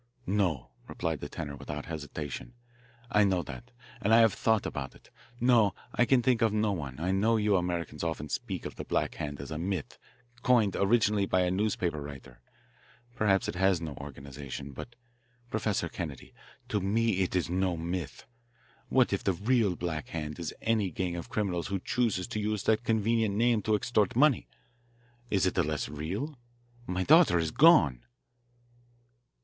"No," replied the tenor without hesitation: "I know that, and I have thought about it. No, I can think of no one. I know you Americans often speak of the Black Hand as a myth coined originally by a newspaper writer. Perhaps it has no organisation. But, Professor Kennedy, to me it is no myth. What if the real Black Hand is any gang of criminals who choose to use that convenient name to extort money? Is it the less real? My daughter is gone!"